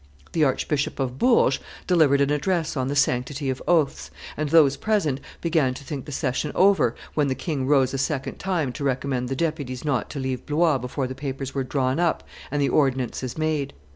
The Archbishop of Bourges delivered an address on the sanctity of oaths, and those present began to think the session over, when the king rose a second time to recommend the deputies not to leave Blois before the papers were drawn up and the ordinances made.